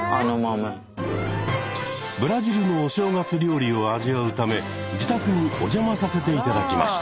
ブラジルのお正月料理を味わうため自宅にお邪魔させて頂きました。